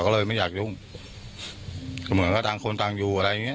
ก็เลยไม่อยากยุ่งก็เหมือนว่าต่างคนต่างอยู่อะไรอย่างเงี้